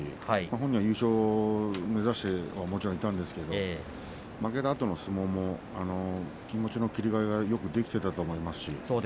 本人は優勝目指してもちろんいたんですけれど負けたあとの相撲も気持ちの切り替えがよくできていたと思います。